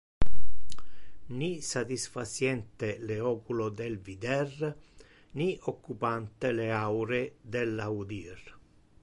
Ni satisfaciente le oculo del vider, ni occupante le aure del audir.